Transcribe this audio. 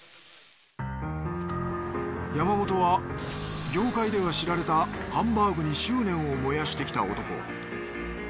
山本は業界では知られたハンバーグに執念を燃やしてきた男。